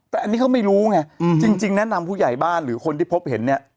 แต่อันนี้เขาไม่รู้ไงจริงแนะนำผู้ใหญ่บ้านหรือคนที่พบเห็นเนี่ย